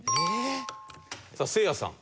さあせいやさん。